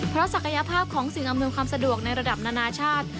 เพราะศักยภาพของสิ่งอำนวยความสะดวกในระดับนานาชาติ